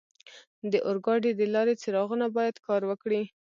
د اورګاډي د لارې څراغونه باید کار وکړي.